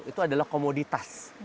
itu adalah komoditas